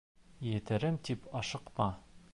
Етерем тип ашыҡма